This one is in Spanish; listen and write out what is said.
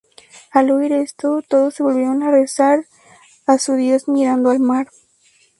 Al oír esto, todos se volvieron a rezar a su dios mirando al mar.